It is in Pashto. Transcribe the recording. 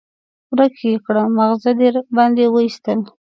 ورک يې کړه؛ ماغزه دې باندې واېستل.